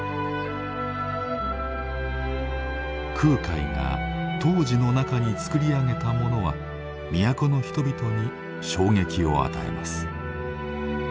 空海が東寺の中につくり上げたものは都の人々に衝撃を与えます。